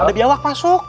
ada biawak masuk